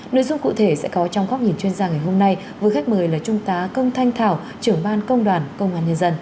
nội dung cụ thể sẽ có trong góc nhìn chuyên gia ngày hôm nay với khách mời là trung tá công thanh thảo trưởng ban công đoàn công an nhân dân